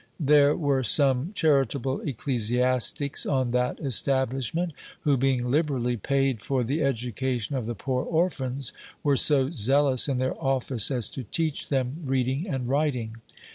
There were some charitable ecclesiastics on that establishment, who, being liberally paid for the education of the poor orphans, were so zealous in their office as to teach them reading and writing.